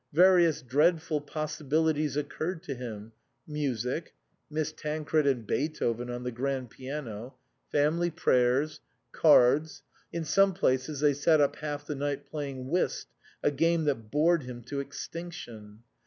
Various dreadful possibilities occurred to him ; music (Miss Tancred and Beethoven on the grand piano) ; family prayers ; cards ; in some places they sat up half the night playing whist, a game that bored him to extinction.